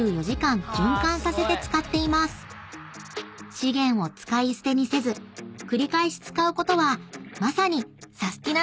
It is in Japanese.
［資源を使い捨てにせず繰り返し使うことはまさにサスティな！